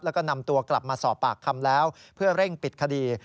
แล้วก็นำตัวกลับมาสอบปากคำแล้วเพื่อเร่งปิดคดี